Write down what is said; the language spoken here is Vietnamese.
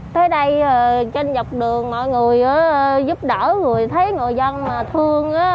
tới đây trên dọc đường mọi người giúp đỡ người thấy người dân mà thương